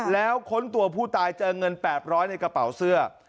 แล้วค้นตัวผู้ตายเจอเงิน๘๐๐ในกระเป๋าเสื้อ